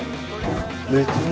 別に。